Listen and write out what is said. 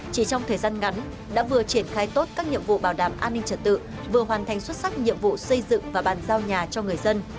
chỉ trong thời gian ngắn đã vừa triển khai tốt các nhiệm vụ bảo đảm an ninh trật tự vừa hoàn thành xuất sắc nhiệm vụ xây dựng và bàn giao nhà cho người dân